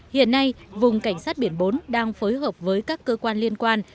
hiện nay vùng cảnh sát biển bốn đang phối hợp với các cơ quan liên quan